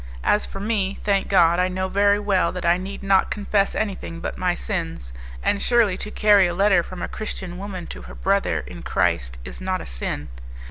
As for me, thank God! I know very well that I need not confess anything but my sins, and surely to carry a letter from a Christian woman to her brother in Christ is not a sin.